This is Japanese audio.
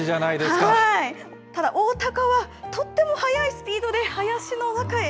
ただ、オオタカはとっても速いスピードで林の中へ。